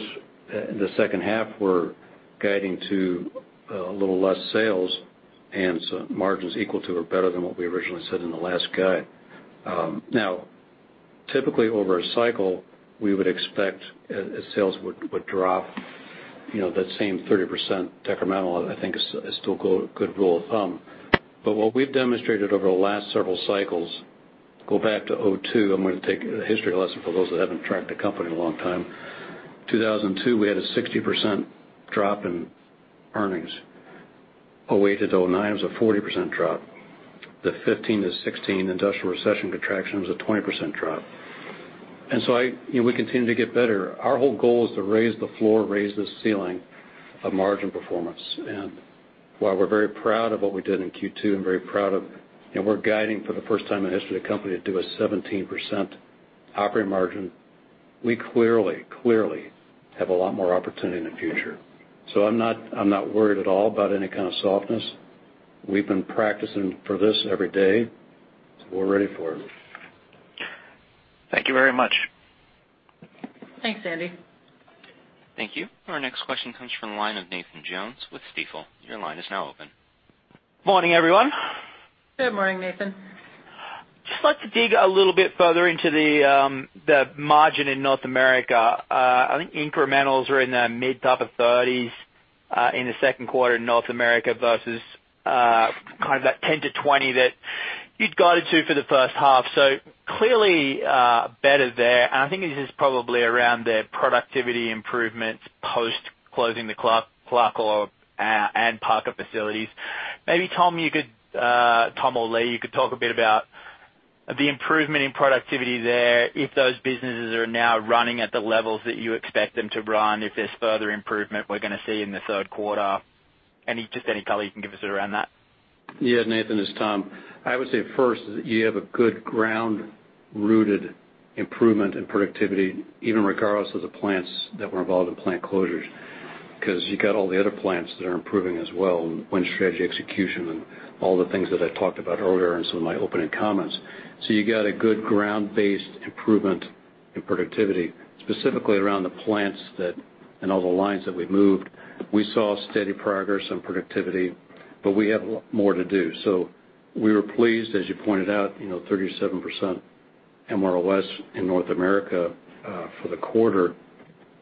in the second half, we're guiding to a little less sales, and so margins equal to or better than what we originally said in the last guide. Now, typically, over a cycle, we would expect sales would drop that same 30% decremental, I think, is still a good rule of thumb. What we've demonstrated over the last several cycles, go back to 2002, I'm going to take a history lesson for those that haven't tracked the company a long time. 2002, we had a 60% drop in earnings. 2008-2009, it was a 40% drop. The 2015-2016 industrial recession contraction was a 20% drop. We continue to get better. Our whole goal is to raise the floor, raise the ceiling of margin performance. While we're very proud of what we did in Q2 and we're guiding for the first time in the history of the company to do a 17% operating margin. We clearly have a lot more opportunity in the future. I'm not worried at all about any kind of softness. We've been practicing for this every day, so we're ready for it. Thank you very much. Thanks, Andy. Thank you. Our next question comes from the line of Nathan Jones with Stifel. Your line is now open. Morning, everyone. Good morning, Nathan. Just like to dig a little bit further into the margin in North America. I think incrementals are in the mid top of thirties in the second quarter in North America versus kind of that 10%-20% that you'd guided to for the first half. Clearly, better there. I think this is probably around the productivity improvements post closing the CLARCOR and Parker facilities. Maybe, Tom or Lee, you could talk a bit about the improvement in productivity there, if those businesses are now running at the levels that you expect them to run, if there's further improvement we're going to see in the third quarter. Just any color you can give us around that? Yeah, Nathan, it's Tom. I would say first is that you have a good ground-rooted improvement in productivity, even regardless of the plants that were involved in plant closures. You got all the other plants that are improving as well, Win Strategy execution, and all the things that I talked about earlier in some of my opening comments. You got a good ground-based improvement in productivity, specifically around the plants that, and all the lines that we've moved. We saw steady progress and productivity, we have a lot more to do. We were pleased, as you pointed out, 37% and more or less in North America for the quarter,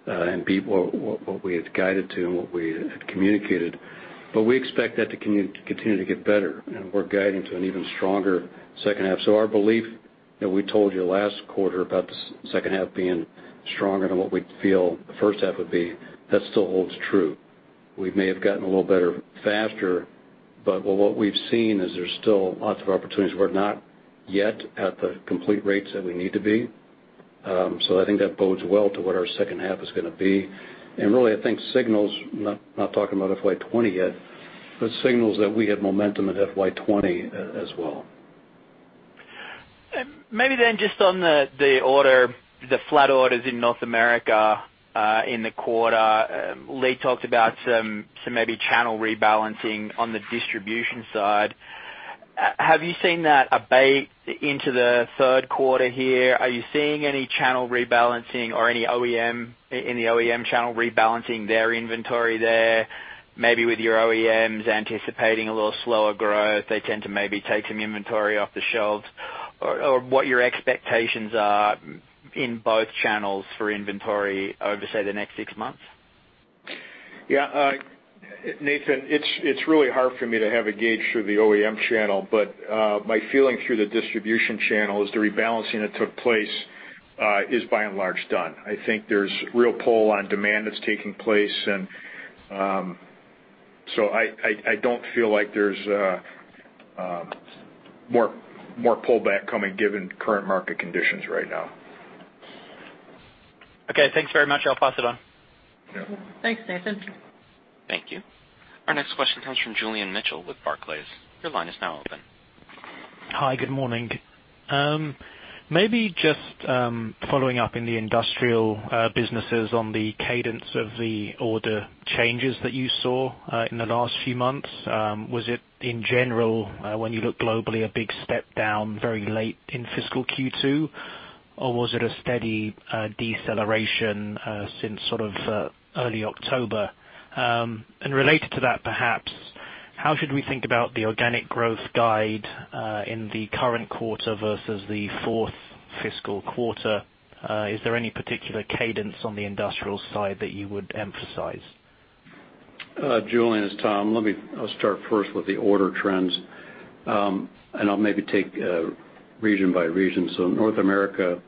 and beat what we had guided to and what we had communicated. We expect that to continue to get better, and we're guiding to an even stronger second half. Our belief, that we told you last quarter about the second half being stronger than what we feel the first half would be, that still holds true. We may have gotten a little better faster, what we've seen is there's still lots of opportunities. We're not yet at the complete rates that we need to be. I think that bodes well to what our second half is going to be. Really, I think signals- not talking about FY 2020 yet, but signals that we have momentum at FY 2020 as well. Just on the flat orders in North America, in the quarter- Lee talked about some maybe channel rebalancing on the distribution side. Have you seen that abate into the third quarter here? Are you seeing any channel rebalancing or any OEM- in the OEM channel rebalancing their inventory there? Maybe with your OEMs anticipating a little slower growth, they tend to maybe take some inventory off the shelves. What your expectations are in both channels for inventory over, say, the next six months. Yeah. Nathan, it's really hard for me to have a gauge through the OEM channel, my feeling through the distribution channel is the rebalancing that took place, is by and large done. I think there's real pull on demand that's taking place, I don't feel like there's more pullback coming given current market conditions right now. Okay. Thanks very much. I'll pass it on. Thanks, Nathan. Thank you. Our next question comes from Julian Mitchell with Barclays. Your line is now open. Hi, good morning. Maybe just following up in the industrial businesses on the cadence of the order changes that you saw in the last few months. Was it, in general, when you look globally, a big step down very late in fiscal Q2? Or was it a steady deceleration since sort of early October? Related to that, perhaps, how should we think about the organic growth guide in the current quarter versus the fourth fiscal quarter? Is there any particular cadence on the industrial side that you would emphasize? Julian, it's Tom. I'll start first with the order trends. I'll maybe take region by region. North America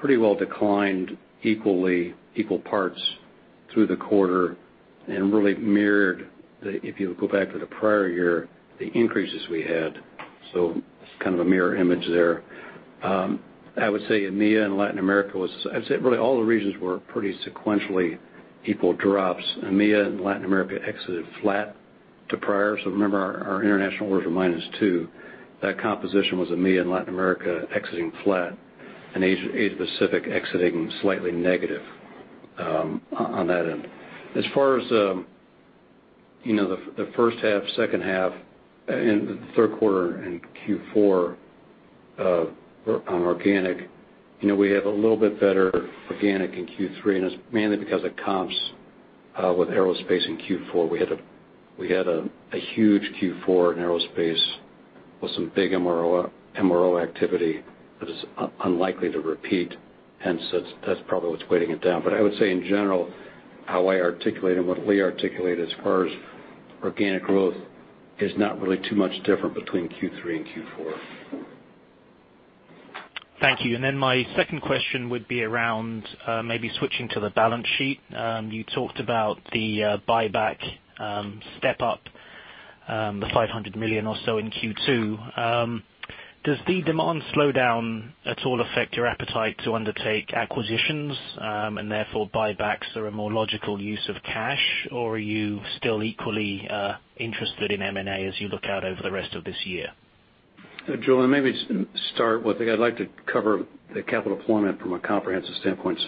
pretty well declined equally, equal parts through the quarter and really mirrored the, if you go back to the prior year, the increases we had. It's kind of a mirror image there. I would say EMEA and Latin America-I'd say really all the regions were pretty sequentially equal drops. EMEA and Latin America exited flat to prior. Remember our international orders were -2%. That composition was EMEA and Latin America exiting flat and Asia-Pacific exiting slightly negative on that end. As far as the first half, second half, the third quarter and Q4 on organic- we have a little bit better organic in Q3. It's mainly because of comps with Aerospace in Q4. We had a huge Q4 in Aerospace with some big MRO activity that is unlikely to repeat. That's probably what's weighting it down. I would say in general, how I articulate and what Lee articulated as far as organic growth is not really too much different between Q3 and Q4. Thank you. My second question would be around maybe switching to the balance sheet. You talked about the buyback step up the $500 million or so in Q2. Does the demand slow down at all affect your appetite to undertake acquisitions, and therefore buybacks are a more logical use of cash? Are you still equally interested in M&A as you look out over the rest of this year? Julian, maybe to start with, I'd like to cover the capital deployment from a comprehensive standpoint.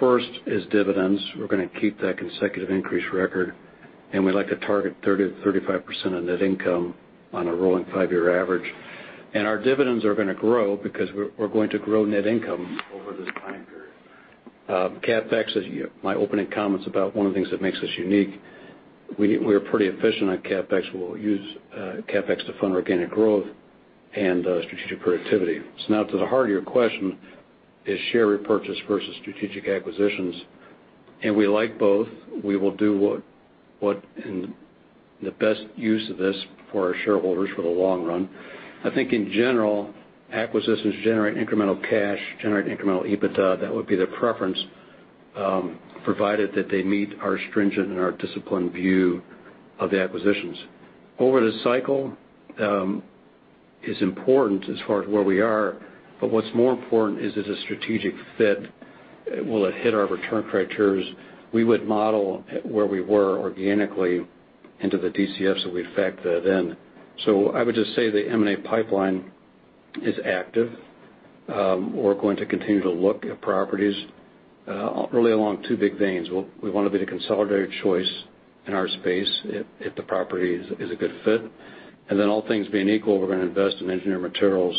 First is dividends. We're going to keep that consecutive increase record, and we'd like to target 30%-35% of net income on a rolling five-year average. Our dividends are going to grow because we're going to grow net income over this time period. CapEx is my opening comments about one of the things that makes us unique. We are pretty efficient on CapEx. We'll use CapEx to fund organic growth and strategic productivity. Now to the heart of your question, is share repurchase versus strategic acquisitions. We like both. We will do what, in the best use of this for our shareholders for the long run. I think in general, acquisitions generate incremental cash, generate incremental EBITDA. That would be the preference, provided that they meet our stringent and our disciplined view of the acquisitions. Over the cycle, is important as far as where we are, but what's more important is it a strategic fit? Will it hit our return criteria? We would model where we were organically into the DCFs, we factor that in. I would just say the M&A pipeline is active. We're going to continue to look at properties really along two big veins- we want to be the consolidated choice in our space if the property is a good fit. Then all things being equal, we're going to invest in Engineered Materials,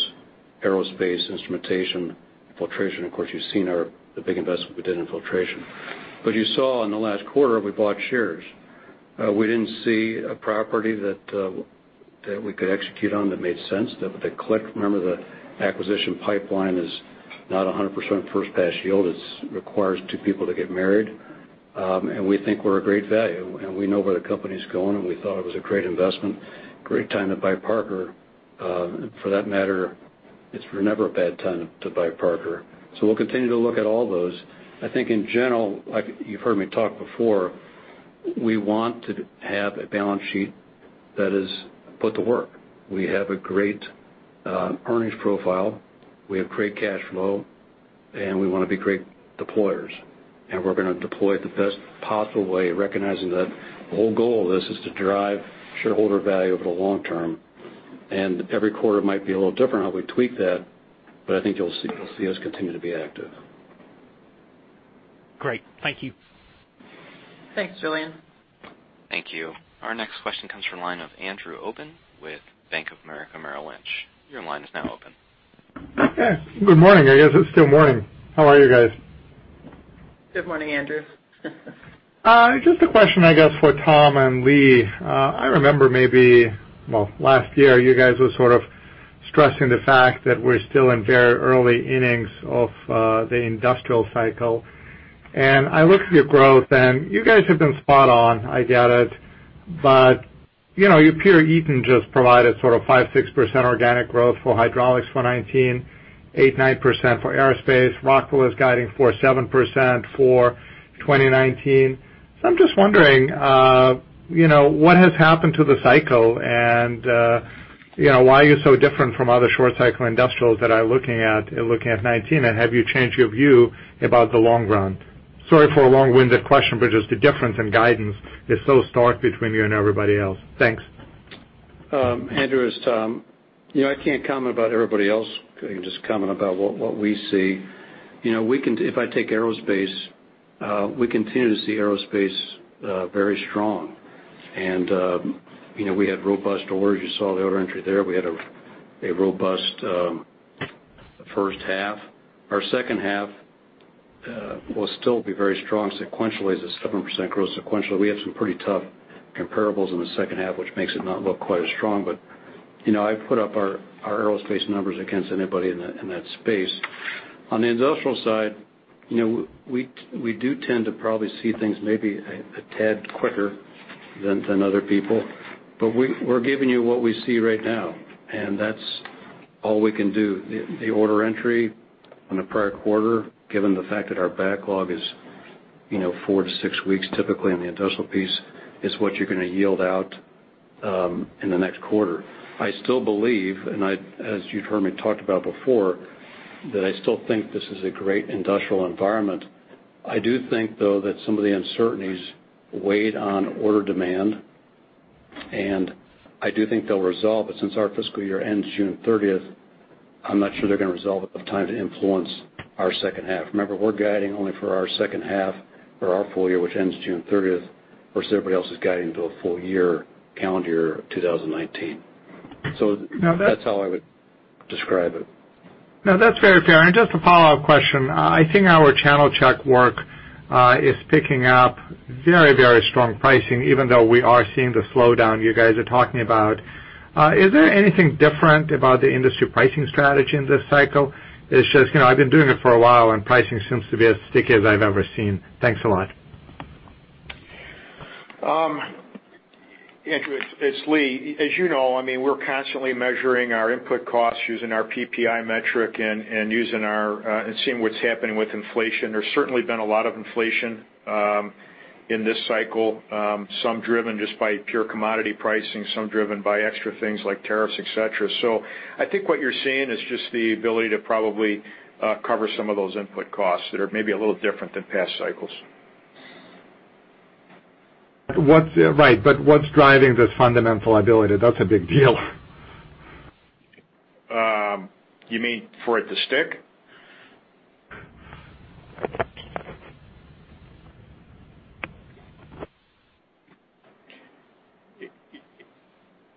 Aerospace, Instrumentation, Filtration. Of course, you've seen the big investment we did in Filtration. You saw in the last quarter, we bought shares. We didn't see a property that we could execute on that made sense. Remember, the acquisition pipeline is not 100% first pass yield. It requires two people to get married. We think we're a great value, and we know where the company's going, and we thought it was a great investment, great time to buy Parker. For that matter, it's never a bad time to buy Parker. We'll continue to look at all those. I think in general, like you've heard me talk before, we want to have a balance sheet that is put to work. We have a great earnings profile. We have great cash flow, and we want to be great deployers. We're going to deploy it the best possible way, recognizing that the whole goal of this is to drive shareholder value over the long term. Every quarter might be a little different how we tweak that, but I think you'll see us continue to be active. Great. Thank you. Thanks, Julian. Thank you. Our next question comes from the line of Andrew Obin with Bank of America Merrill Lynch. Your line is now open. Good morning. I guess it's still morning. How are you guys? Good morning, Andrew. Just a question, I guess, for Tom and Lee. I remember maybe, well, last year, you guys were sort of stressing the fact that we're still in very early innings of the industrial cycle. I looked at your growth, and you guys have been spot on, I get it. Your peer, Eaton, just provided 5%-6% organic growth for hydraulics for 2019, 8%-9% for Aerospace. Rockwell is guiding for 7% for 2019. I'm just wondering what has happened to the cycle, and why are you so different from other short cycle industrials that I'm looking at in 2019? Have you changed your view about the long run? Sorry for a long-winded question, just the difference in guidance is so stark between you and everybody else. Thanks. Andrew, it's Tom. I can't comment about everybody else. I can just comment about what we see. If I take Aerospace, we continue to see Aerospace very strong. We had robust orders. You saw the order entry there. We had a robust first half. Our second half will still be very strong sequentially as a 7% growth sequentially. We have some pretty tough comparables in the second half, which makes it not look quite as strong, but I put up our Aerospace numbers against anybody in that space. On the Industrial side, we do tend to probably see things maybe a tad quicker than other people. We're giving you what we see right now, and that's all we can do. The order entry on the prior quarter, given the fact that our backlog is 4 to 6 weeks typically on the industrial piece, is what you're going to yield out in the next quarter. I still believe, and as you've heard me talked about before, that I still think this is a great Industrial environment. I do think, though, that some of the uncertainties weighed on order demand, and I do think they'll resolve. Since our fiscal year ends June 30th, I'm not sure they're going to resolve at the time to influence our second half. Remember, we're guiding only for our second half for our full year, which ends June 30th, versus everybody else is guiding to a full year calendar 2019. That's how I would describe it. No, that's very fair. Just a follow-up question. I think our channel check work is picking up very, very strong pricing, even though we are seeing the slowdown you guys are talking about. Is there anything different about the industry pricing strategy in this cycle? It's just I've been doing it for a while, pricing seems to be as sticky as I've ever seen. Thanks a lot. Andrew, it's Lee. As you know, we're constantly measuring our input costs using our PPI metric and seeing what's happening with inflation. There's certainly been a lot of inflation in this cycle, some driven just by pure commodity pricing, some driven by extra things like tariffs, et cetera. I think what you're seeing is just the ability to probably cover some of those input costs that are maybe a little different than past cycles. Right, what's driving this fundamental ability? That's a big deal. You mean for it to stick?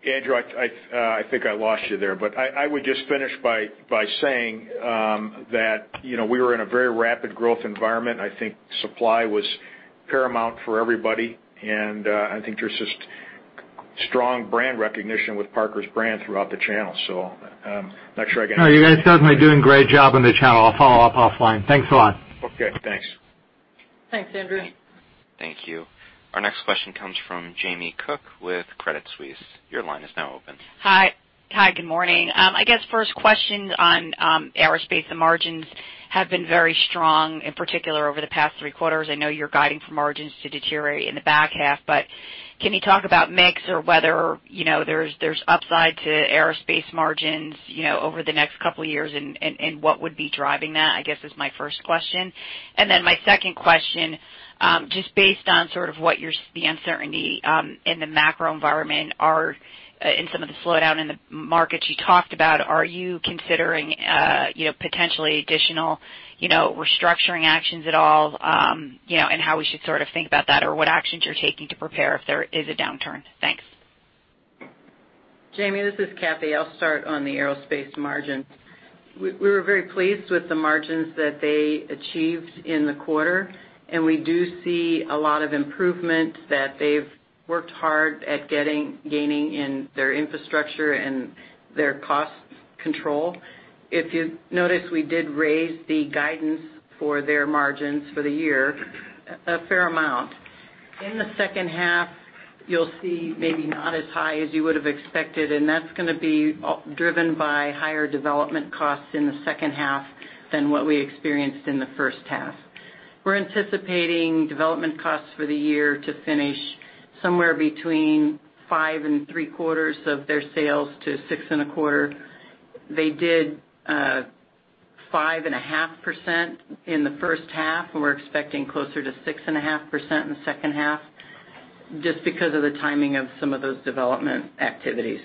Andrew, I think I lost you there, I would just finish by saying that we were in a very rapid growth environment. I think supply was paramount for everybody, I think there's just strong brand recognition with Parker's brand throughout the channel. No, you guys are certainly doing a great job in the channel. I'll follow up offline. Thanks a lot. Okay, thanks. Thanks, Andrew. Thank you. Our next question comes from Jamie Cook with Credit Suisse. Your line is now open. Hi, good morning. I guess first question on Aerospace. The margins have been very strong, in particular over the past three quarters. I know you're guiding for margins to deteriorate in the back half, can you talk about mix or whether there's upside to Aerospace margins over the next couple years and what would be driving that, I guess, is my first question. My second question, just based on sort of what you see, the uncertainty, in the macro environment are, and some of the slowdown in the markets you talked about, are you considering potentially additional restructuring actions at all? How we should sort of think about that, or what actions you're taking to prepare if there is a downturn? Thanks. Jamie, this is Cathy. I'll start on the Aerospace margin. We were very pleased with the margins that they achieved in the quarter, we do see a lot of improvement that they've worked hard at gaining in their infrastructure and their cost control. If you notice, we did raise the guidance for their margins for the year a fair amount. In the second half, you'll see maybe not as high as you would've expected, that's going to be driven by higher development costs in the second half than what we experienced in the first half. We're anticipating development costs for the year to finish somewhere between 5.75 of their sales to 6.25. They did 5.5% in the first half, we're expecting closer to 6.5% in the second half just because of the timing of some of those development activities.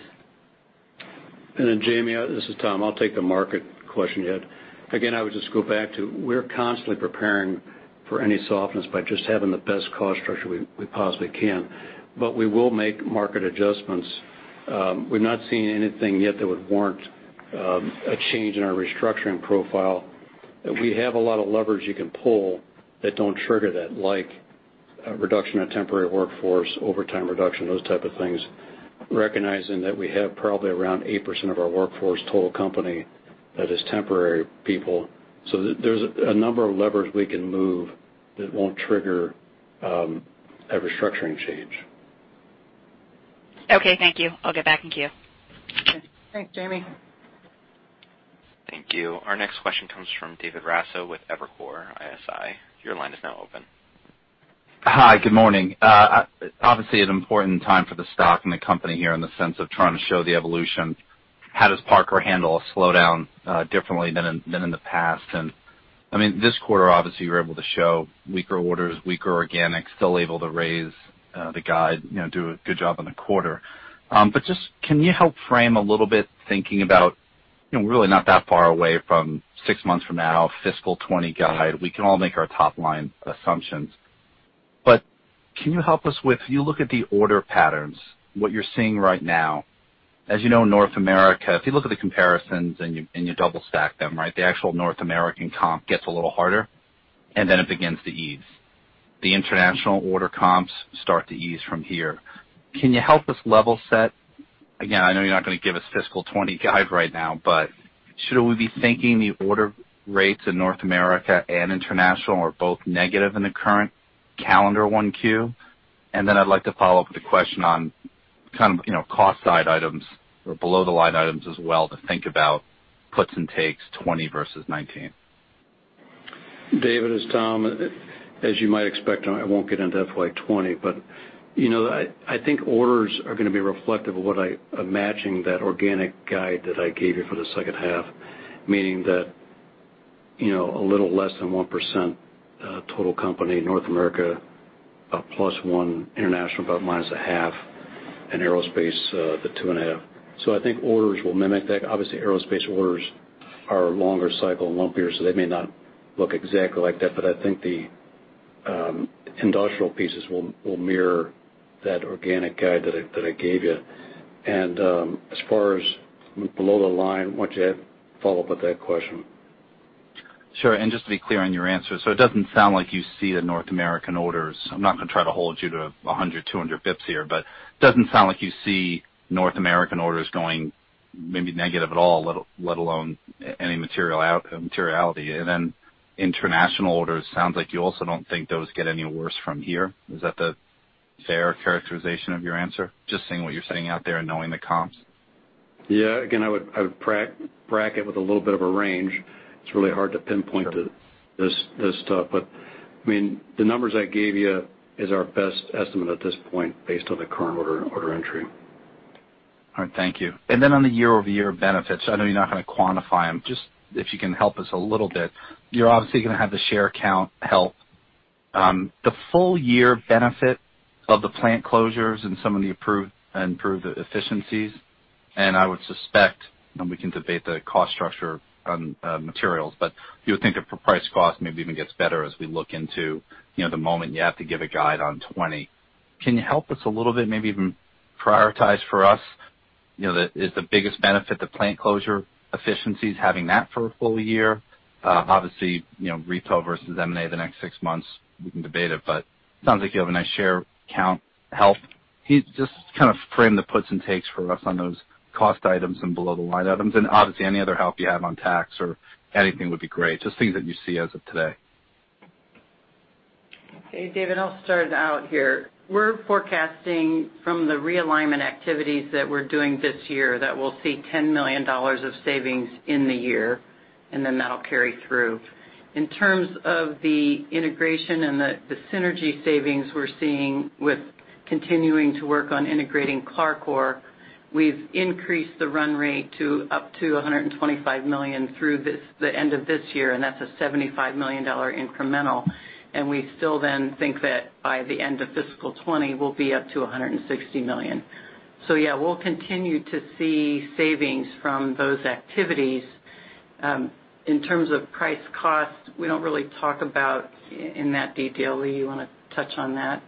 Jamie, this is Tom. I'll take the market question you had. Again, I would just go back to- we're constantly preparing for any softness by just having the best cost structure we possibly can. We will make market adjustments. We've not seen anything yet that would warrant a change in our restructuring profile. We have a lot of levers you can pull that don't trigger that, like a reduction of temporary workforce, overtime reduction, those type of things, recognizing that we have probably around 8% of our workforce total company that is temporary people. There's a number of levers we can move that won't trigger a restructuring change. Okay, thank you. I'll get back in queue. Thanks, Jamie. Thank you. Our next question comes from David Raso with Evercore ISI. Your line is now open. Hi, good morning. Obviously an important time for the stock and the company here in the sense of trying to show the evolution. How does Parker handle a slowdown differently than in the past? I mean, this quarter, obviously, you were able to show weaker orders, weaker organics, still able to raise the guide, do a good job on the quarter. Just can you help frame a little bit, thinking about, we're really not that far away from six months from now, FY 2020 guide. We can all make our top-line assumptions. Can you help us with- if you look at the order patterns, what you're seeing right now, as you know, North America, if you look at the comparisons and you double stack them, the actual North American comp gets a little harder, and then it begins to ease. The international order comps start to ease from here. Can you help us level set? Again, I know you're not going to give us FY 2020 guide right now, should we be thinking the order rates in North America and international are both negative in the current calendar 1Q? Then I'd like to follow up with a question on kind of cost side items or below the line items as well to think about puts and takes FY 2020 versus FY 2019. David, it's Tom. As you might expect, I won't get into FY 2020. I think orders are going to be reflective of what I am matching that organic guide that I gave you for the second half, meaning that a little less than 1% total company North America, a +1% International, about -0.5% In Aerospace, the 2.5%. I think orders will mimic that. Obviously, Aerospace orders are longer cycle and lumpier, so they may not look exactly like that, but I think the industrial pieces will mirror that organic guide that I gave you. As far as below the line, why don't you follow up with that question? Sure. Just to be clear on your answer- it doesn't sound like you see the North American orders, I'm not going to try to hold you to 100, 200 basis points here, doesn't sound like you see North American orders going maybe negative at all, let alone any materiality. International orders, sounds like you also don't think those get any worse from here. Is that the fair characterization of your answer? Just seeing what you're saying out there and knowing the comps. Yeah. Again, I would bracket with a little bit of a range. It's really hard to pinpoint this stuff, the numbers I gave you is our best estimate at this point based on the current order entry. All right. Thank you. On the year-over-year benefits, I know you're not going to quantify them. Just if you can help us a little bit, you're obviously going to have the share count help. The full year benefit of the plant closures and some of the improved efficiencies, I would suspect- and we can debate the cost structure on materials- you would think that for price cost maybe even gets better as we look into the moment you have to give a guide on 2020. Can you help us a little bit, maybe even prioritize for us, is the biggest benefit the plant closure efficiencies, having that for a full year? Obviously, retail versus M&A- the next six months, we can debate it, sounds like you have a nice share count help. Can you just kind of frame the puts and takes for us on those cost items and below-the-line items? Obviously, any other help you have on tax or anything would be great, just things that you see as of today. Okay, David, I'll start out here. We're forecasting from the realignment activities that we're doing this year that we'll see $10 million of savings in the year, then that'll carry through. In terms of the integration and the synergy savings we're seeing with continuing to work on integrating CLARCOR, we've increased the run rate to up to $125 million through the end of this year, and that's a $75 million incremental. We still then think that by the end of fiscal 2020, we'll be up to $160 million. We'll continue to see savings from those activities. In terms of price cost, we don't really talk about in that detail. Lee, you want to touch on that?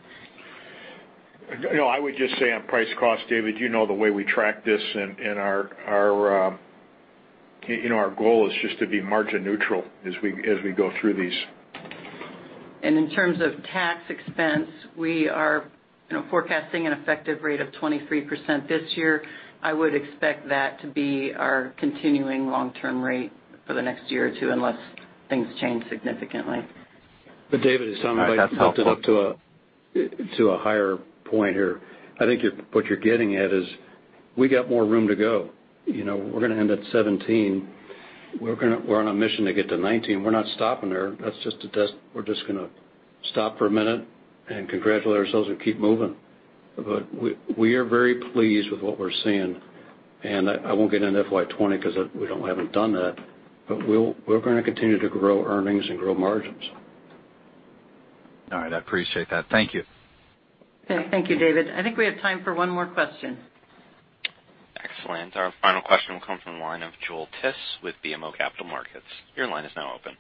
No, I would just say on price cost, David, you know the way we track this, and our goal is just to be margin neutral as we go through these. In terms of tax expense, we are forecasting an effective rate of 23% this year. I would expect that to be our continuing long-term rate for the next year or two, unless things change significantly. David, as up to a higher point here. I think what you're getting at is we got more room to go. We're going to end at 17. We're on a mission to get to 19. We're not stopping there. We're just going to stop for a minute and congratulate ourselves and keep moving. We are very pleased with what we're seeing, and I won't get into FY 2020 because we haven't done that, but we're going to continue to grow earnings and grow margins. All right. I appreciate that. Thank you. Okay. Thank you, David. I think we have time for one more question. Excellent. Our final question will come from the line of Joel Tiss with BMO Capital Markets. Your line is now open.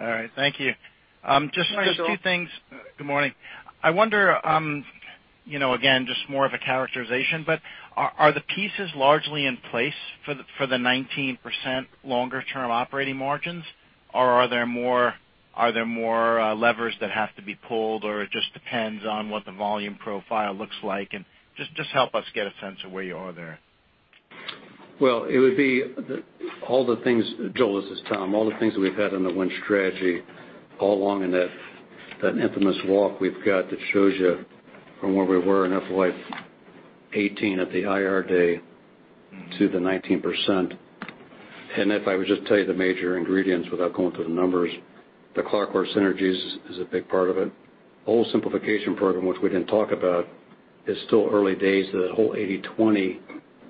All right. Thank you. Good morning, Joel. Just a few things- good morning. I wonder, again, just more of a characterization, but are the pieces largely in place for the 19% longer-term operating margins, or are there more levers that have to be pulled, or it just depends on what the volume profile looks like? Just help us get a sense of where you are there. Well, Joel, this is Tom. All the things that we've had in the Win Strategy all along in that infamous walk we've got that shows you from where we were in FY 2018 at the IR day to the 19%. If I would just tell you the major ingredients without going through the numbers, the CLARCOR synergies is a big part of it. Whole simplification program, which we didn't talk about, is still early days. The whole 80/20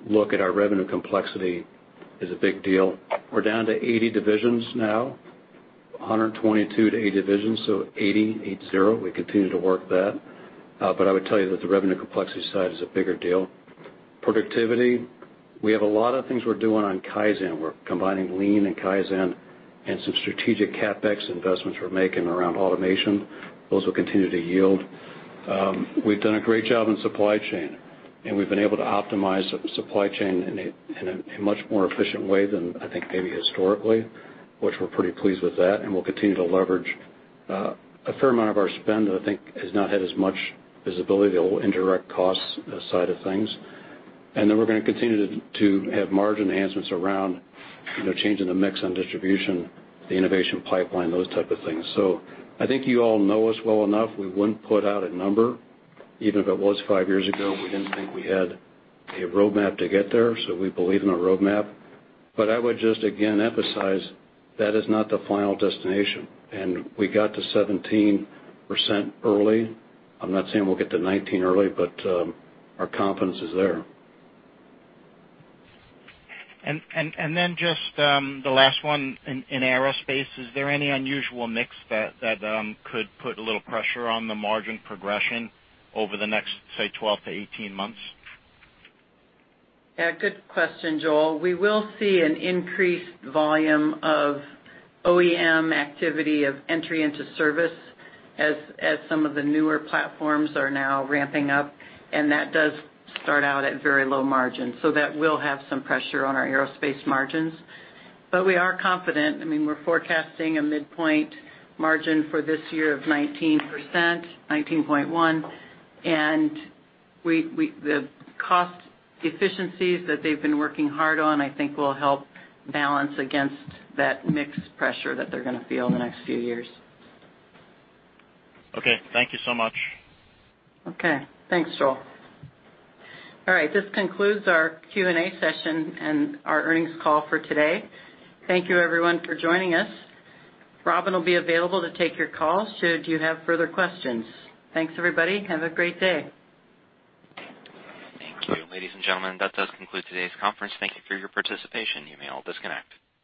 look at our revenue complexity is a big deal. We're down to 80 divisions now, 122 to 80 divisions, so 80, 8, 0. We continue to work that. I would tell you that the revenue complexity side is a bigger deal. Productivity, we have a lot of things we're doing on Kaizen- we're combining Lean and Kaizen and some strategic CapEx investments we're making around automation. Those will continue to yield. We've done a great job in supply chain, we've been able to optimize supply chain in a much more efficient way than I think maybe historically, which we're pretty pleased with that, and we'll continue to leverage. A fair amount of our spend, I think, has not had as much visibility, the whole indirect cost side of things. We're going to continue to have margin enhancements around changing the mix on distribution, the innovation pipeline, those type of things. I think you all know us well enough. We wouldn't put out a number. Even if it was five years ago, we didn't think we had a roadmap to get there, so we believe in a roadmap. I would just again emphasize, that is not the final destination, and we got to 17% early. I'm not saying we'll get to 19 early, our confidence is there. Just the last one. In Aerospace, is there any unusual mix that could put a little pressure on the margin progression over the next, say, 12 to 18 months? Yeah, good question, Joel. We will see an increased volume of OEM activity of entry into service as some of the newer platforms are now ramping up, that does start out at very low margins. That will have some pressure on our Aerospace margins. We are confident. We're forecasting a midpoint margin for this year of 19%, 19.1. The cost efficiencies that they've been working hard on, I think will help balance against that mixed pressure that they're going to feel in the next few years. Okay. Thank you so much. Okay. Thanks, Joel. All right. This concludes our Q&A session and our earnings call for today. Thank you everyone for joining us. Robin will be available to take your calls should you have further questions. Thanks, everybody. Have a great day. Thank you. Ladies and gentlemen, that does conclude today's conference. Thank you for your participation. You may all disconnect.